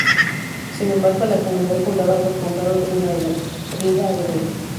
Sin embargo, la comunidad fundada por Conrado tuvo una vida breve.